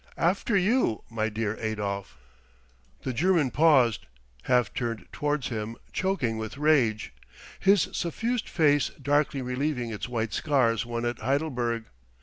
"After you, my dear Adolph...!" The German paused, half turned towards him, choking with rage, his suffused face darkly relieving its white scars won at Heidelberg.